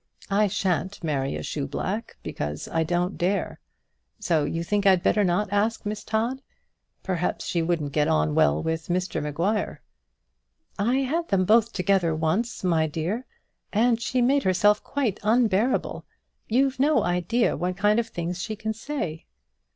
I shan't marry a shoe black, because I don't dare. So you think I'd better not ask Miss Todd. Perhaps she wouldn't get on well with Mr Maguire." "I had them both together once, my dear, and she made herself quite unbearable. You've no idea what kind of things she can say."